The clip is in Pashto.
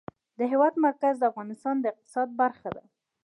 د هېواد مرکز د افغانستان د اقتصاد برخه ده.